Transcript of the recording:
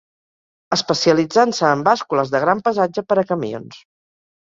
Especialitzant-se en bàscules de gran pesatge per a camions.